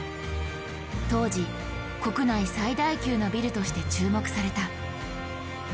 当時国内最大級のビルとして注目された。